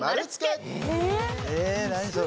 えー、何それ？